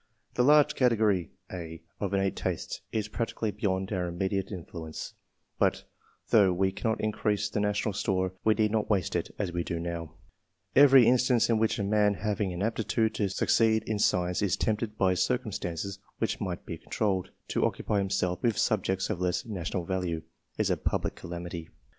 The large category (a) of innate tastes is •^cally beyond our immediate influence ; but III.] ORIGIN OF TASTE FOE SCIENCE, 223 though we cannot increase the national store, we need not waste it, as we do now. Every in stance in which a man having an aptitude to succeed in science,^ is tempted by circumstances which might be controlled, to occupy himself with subjects of less national value, is a public calamity.